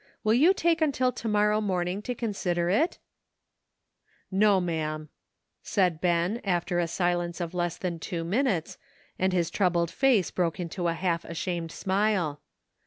Will you take until to morrow morning to consider it?" 1«0 DARK DAYS. "No, ma'am," said Ben, after a silence of less than two minutes, and his troubled face broke into a half asliained smile.